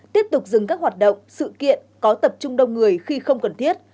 tiếp tục dừng các hoạt động sự kiện có tập trung đông người khi không cần thiết